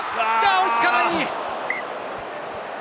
追いつかない！